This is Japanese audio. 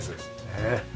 ねえ。